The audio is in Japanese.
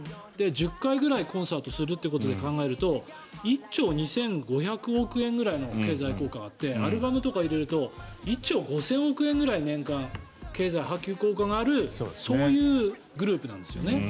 １０回ぐらいコンサートするということで考えると１兆２５００億円くらいの経済効果があってアルバムとか入れると１兆５０００億円ぐらい年間、経済波及効果があるそういうグループなんですよね。